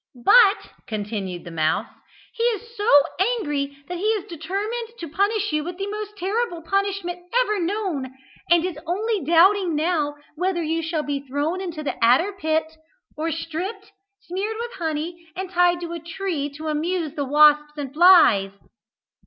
"But," continued the mouse, "he is so angry that he is determined to punish you with the most terrible punishment ever known, and is only doubting now whether you shall be thrown into the adder pit, or stripped, smeared with honey and tied to a tree to amuse the wasps and flies."